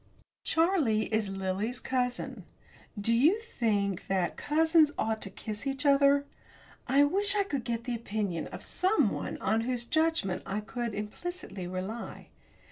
Charlie is Lily's cousin. Do you think that cousins ought to kiss each other? I wish I could get the opinion of someone on whose judgment I could implicitly rely.